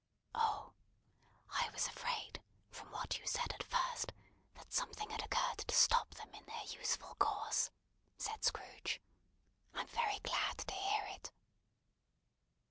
"Oh! I was afraid, from what you said at first, that something had occurred to stop them in their useful course," said Scrooge. "I'm very glad to hear it."